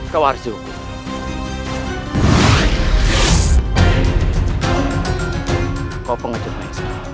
kau harus yuk kau pengacau